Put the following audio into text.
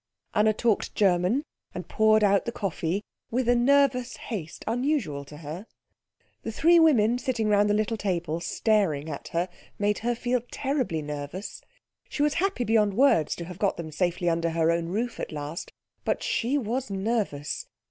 Anna talked German and poured out the coffee with a nervous haste unusual to her. The three women sitting round the little table staring at her made her feel terribly nervous. She was happy beyond words to have got them safely under her own roof at last, but she was nervous.